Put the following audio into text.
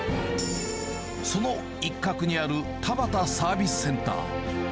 その一角にある田端サービスセンター。